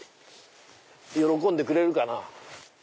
喜んでくれるかな。